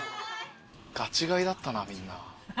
ガチ買いだったなみんな。